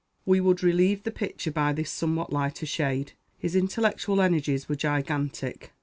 We would relieve the picture by this somewhat lighter shade. "His intellectual energies were gigantic.